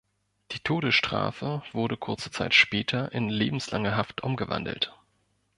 Die Todesstrafe wurde kurze Zeit später in lebenslange Haft umgewandelt.